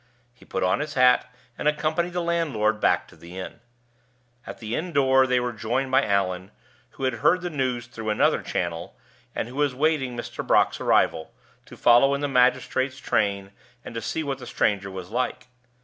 He put on his hat, and accompanied the landlord back to the inn. At the inn door they were joined by Allan, who had heard the news through another channel, and who was waiting Mr. Brock's arrival, to follow in the magistrate's train, and to see what the stranger was like.